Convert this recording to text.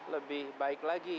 lebih baik lagi